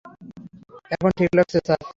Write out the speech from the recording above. এখন ঠিক লাগছে, স্যার?